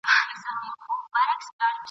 دپښتون قام به ژوندی وي ..